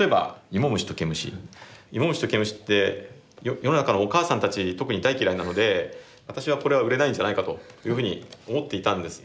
イモムシとケムシって世の中のお母さんたち特に大嫌いなので私はこれは売れないんじゃないかというふうに思っていたんです。